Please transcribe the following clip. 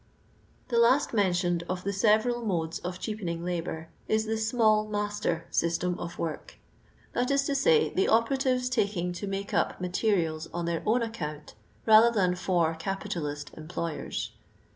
The last mentioned of the several modes of cheapening labour is the *' small master system" of work, that is to say, the operatives taking to make up materials on their own account rather than for capitalist employers.